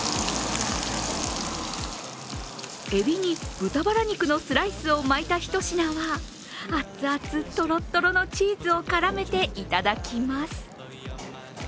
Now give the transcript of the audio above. えびに豚バラ肉のスライスを巻いた一品は、アツアツトロトロのチーズを絡めていただきます。